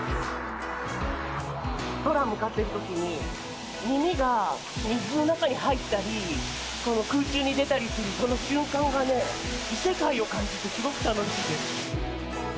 空向かってるときに耳が水の中に入ったり空中に出たりするその瞬間がね異世界を感じて、すごく楽しいです。